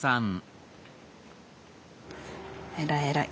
偉い偉い。